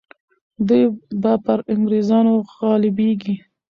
دوی به پر انګریزانو غالبیږي.